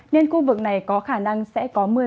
nên khu vực này có khả năng sẽ có mưa